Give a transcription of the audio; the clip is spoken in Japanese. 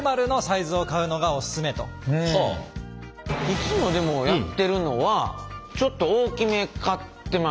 いつもでもやってるのはちょっと大きめ買ってます。